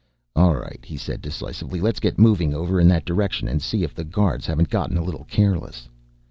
"All right," he said decisively, "let's get moving over in that direction, and see if the guards haven't gotten a little careless."